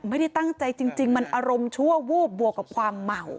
ไม่ได้ตั้งใจจริงมันอารมณ์ชั่ววูบบวกกับความเหมา